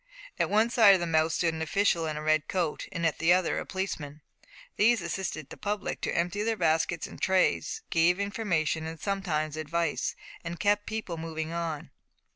At one side of the mouth stood an official in a red coat, at the other a policeman. These assisted the public to empty their baskets and trays, gave information, sometimes advice, and kept people moving on.